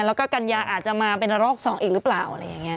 แล้วก็กัญญาอาจจะมาเป็นระลอก๒อีกหรือเปล่าอะไรอย่างนี้